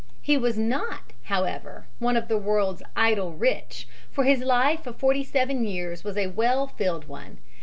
He was not, however, one of the world's "idle rich," for his life of forty seven years was a well filled one.